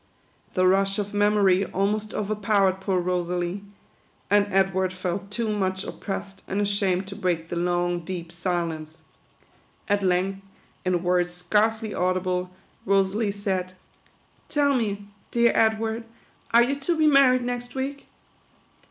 The rush of mem ory almost overpowered poor Rosalie ; and Edward felt too much oppressed and ashamed to break the long, deep silence. At length, in words scarcely au dible, Rosalie said, " Tell me, dear Edward, are you to be married next week